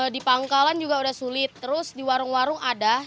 di pangkalan juga sudah sulit terus di warung warung ada